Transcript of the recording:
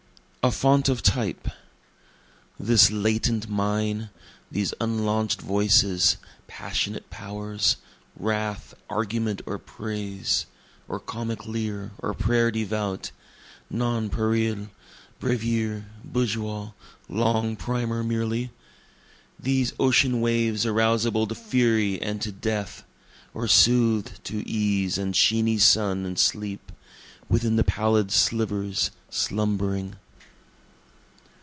A Font of Type This latent mine these unlaunch'd voices passionate powers, Wrath, argument, or praise, or comic leer, or prayer devout, (Not nonpareil, brevier, bourgeois, long primer merely,) These ocean waves arousable to fury and to death, Or sooth'd to ease and sheeny sun and sleep, Within the pallid slivers slumbering.